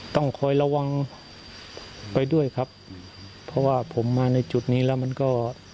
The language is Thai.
ต้องคอยระวังไปด้วยครับเพราะว่าผมมาในจุดนี้แล้วมันก็